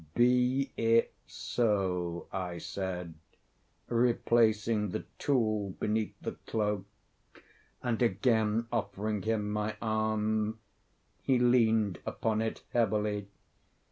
"Be it so," I said, replacing the tool beneath the cloak, and again offering him my arm. He leaned upon it heavily.